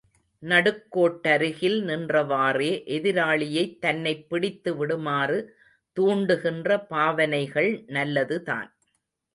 நடுக்கோட்டருகில் நின்றவாறே, எதிராளியைத் தன்னைப் பிடித்து விடுமாறு தூண்டுகின்ற பாவனைகள் நல்லதுதான்.